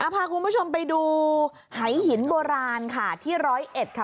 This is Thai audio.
พาคุณผู้ชมไปดูหายหินโบราณค่ะที่ร้อยเอ็ดค่ะ